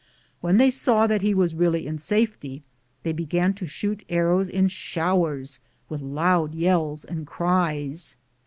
When they saw that he was really in safety, they began to shoot arrows in showers, with loud yells and cries.